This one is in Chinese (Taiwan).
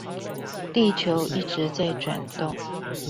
地球一直在轉動